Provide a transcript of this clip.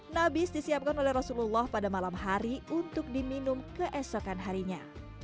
nabis disiapkan oleh rasulullah pada malam hari untuk diminum keesokan harinya